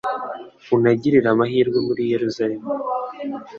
unagirire amahirwe muri Yeruzalemu